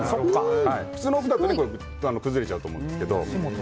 普通のお麩だと崩れちゃうと思うんですけど。